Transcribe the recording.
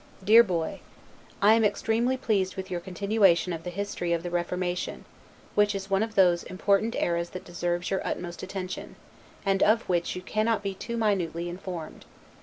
S. 1748. DEAR BOY: I am extremely pleased with your continuation of the history of the Reformation; which is one of those important eras that deserves your utmost attention, and of which you cannot be too minutely informed.